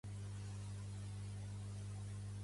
La muntanya de Monsterrat es veu preciosa els dies clars.